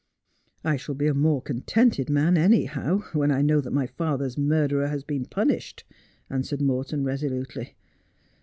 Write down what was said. ' I shall be a more contented man, anyhow, when I know that my father's murderer has been punished/ answered Morton resolutely.